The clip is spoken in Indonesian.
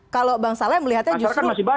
kalau bang saleh melihatnya justru